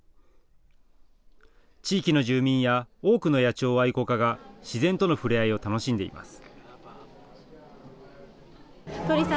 地域の住民や多くの野鳥愛好家が自然との触れ合いを楽しんでいます。